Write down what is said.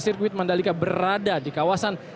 sirkuit mandalika berada di kawasan